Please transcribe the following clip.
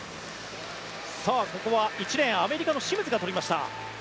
ここは１レーンアメリカのシムズが取りました。